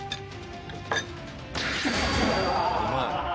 うまい？